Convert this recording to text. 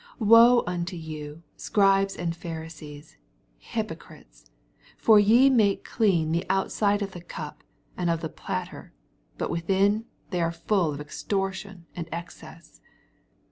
25 Woe unto you. Scribes and Pharisees, hypocrites I for ye make clean the outside of the cup and of the platter, but within they are full of extortion and excess.